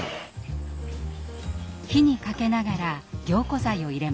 火にかけながら凝固剤を入れます。